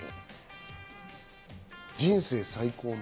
人生最高の。